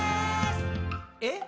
「え？